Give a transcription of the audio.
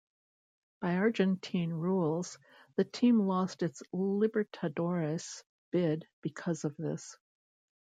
By Argentine rules, the team lost its Libertadores bid because of this.